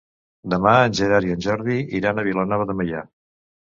Demà en Gerard i en Jordi iran a Vilanova de Meià.